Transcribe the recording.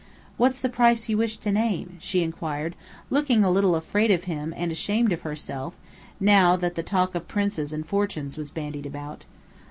"What's the price you wish to name?" she inquired, looking a little afraid of him and ashamed of herself, now that talk of princes and fortunes was bandied about.